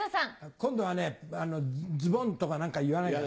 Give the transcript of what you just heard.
今度はズボンとか言わないから。